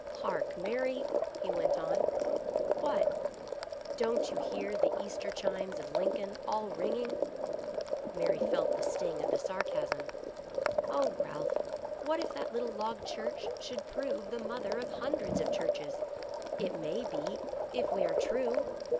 " Hark, Mary !" he went on. " What ?"" Don't you hear the Easter chimes of Lincoln, all ringing ?" Mary felt the sting of the sarcasm. " Oh, Ralph, what if that little log church should prove the mother of hun dreds of churches — it may be, if we are true